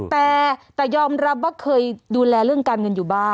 แต่ยอมรับว่าเคยดูแลเรื่องการเงินอยู่บ้าง